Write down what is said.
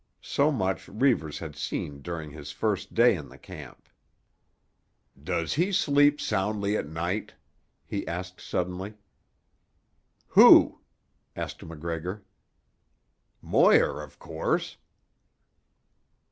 So much Reivers had seen during his first day in the camp. "Does he sleep soundly at night?" he asked suddenly. "Who?" asked MacGregor. "Moir, of course."